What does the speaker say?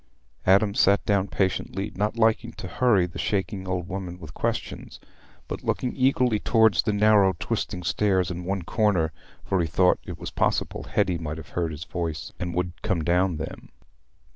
Adam sat down patiently, not liking to hurry the shaking old woman with questions, but looking eagerly towards the narrow twisting stairs in one corner, for he thought it was possible Hetty might have heard his voice and would come down them.